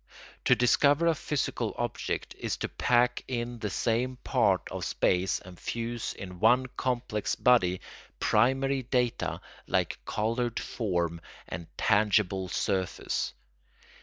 To discover a physical object is to pack in the same part of space, and fuse in one complex body, primary data like coloured form and tangible surface.